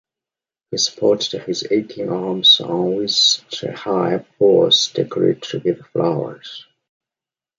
He supports his aching arms on waist-high poles decorated with flowers.